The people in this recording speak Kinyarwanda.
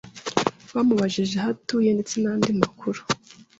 bamubajije aho atuye ndetse n’andi makuru